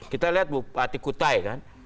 kita lihat bupati kutai kan